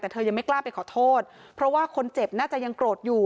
แต่เธอยังไม่กล้าไปขอโทษเพราะว่าคนเจ็บน่าจะยังโกรธอยู่